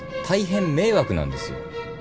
大変迷惑なんです。